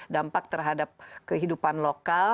dampak terhadap kehidupan lokal